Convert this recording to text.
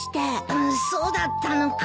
ああそうだったのか。